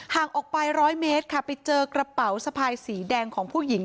ห่างออกไปร้อยเมตรค่ะไปเจอกระเป๋าสะพายสีแดงของผู้หญิง